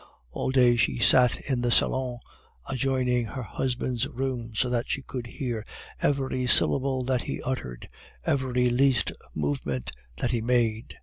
All day she sat in the salon adjoining her husband's room, so that she could hear every syllable that he uttered, every least movement that he made.